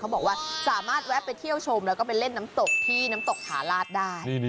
บอกว่าสามารถแวะไปเที่ยวชมแล้วก็ไปเล่นน้ำตกที่น้ำตกผาลาดได้